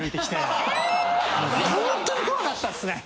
ほんとに怖かったっすね。